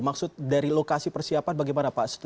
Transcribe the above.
maksud dari lokasi persiapan bagaimana pak